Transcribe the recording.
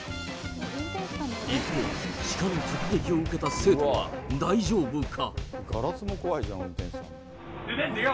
一方、シカの直撃を受けた生徒は大丈夫か？